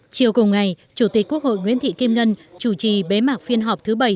chiều cùng ngày chủ tịch quốc hội nguyễn thị kim ngân chủ trì bế mạc phiên họp thứ bảy